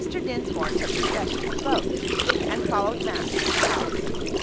Dinsmore took possession of both, and followed Max to the house.